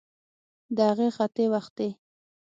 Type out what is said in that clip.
د هغه ختې وختې